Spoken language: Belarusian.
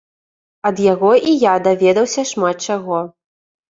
Ад яго і я даведаўся шмат чаго.